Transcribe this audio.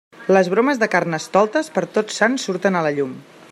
Les bromes de Carnestoltes, per Tots Sants surten a la llum.